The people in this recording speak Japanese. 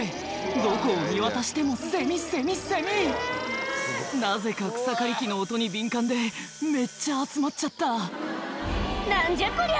どこを見渡してもセミセミセミなぜか草刈り機の音に敏感でめっちゃ集まっちゃった何じゃこりゃ！